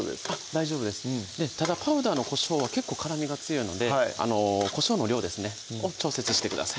大丈夫ですただパウダーのこしょうは結構辛みが強いのでこしょうの量ですねを調節してください